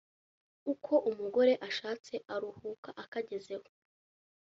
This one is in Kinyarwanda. • ako umugore ashatse aruhuka akagezeho